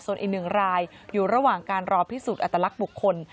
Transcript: ส่วนอีกหนึ่งรายอยู่ระหว่างการรอพิสูจน์อัตลักษณ์บุคคล